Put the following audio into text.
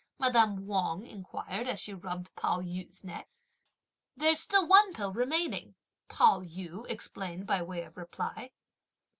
madame Wang inquired, as she rubbed Pao yü's neck. "There's still one pill remaining," Pao yü explained by way of reply.